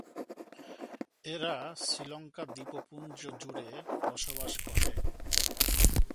এরা শ্রীলঙ্কা দ্বীপপুঞ্জ জুড়ে বসবাস করে।